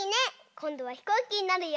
こんどはひこうきになるよ！